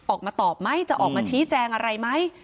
ออกมาตอบไหมจะออกมาชี้แจงอะไรไหม